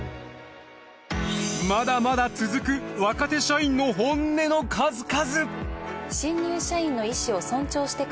まだまだ続く若手社員の本音の数々。